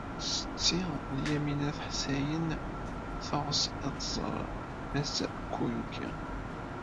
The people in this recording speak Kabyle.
Setti Lyamina n At Ḥsayen teɣs ad tẓer Mass Kosugi.